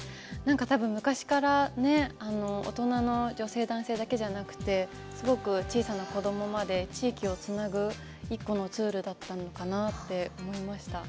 多分、昔から大人の女性、男性だけじゃなくてすごく、小さな子どもまで地域をつなぐ１個のツールだったのかなって思いました。